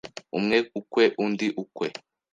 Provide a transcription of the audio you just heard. umwe ukwe undi ukwe